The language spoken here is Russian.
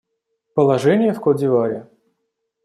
Положение в Кот-д'Ивуаре.